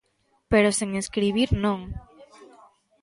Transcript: Pero sen escribir non.